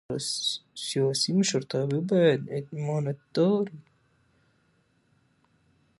سیاسي مشرتابه باید امانتدار وي